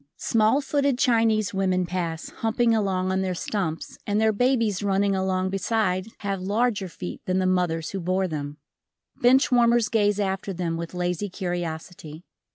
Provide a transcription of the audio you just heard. Small footed Chinese women pass, humping along on their stumps and their babies running along beside have larger feet than the mothers who bore them, Bench warmers gaze after them with lazy curiosity.